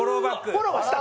フォローはした。